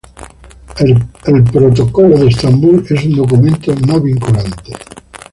El Protocolo de Estambul es un documento no vinculante.